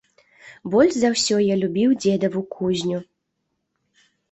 Больш за ўсё я любіў дзедаву кузню.